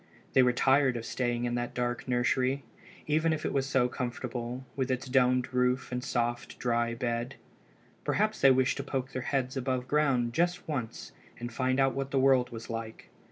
They were tired of staying in that dark nursery, even if it was so comfortable, with its domed roof and soft, dry bed. Perhaps they wished to poke their heads above ground just once and find out what the world was like.